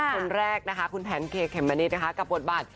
คนแรกคุณแพนเคเขมเมนิตกับบทบาท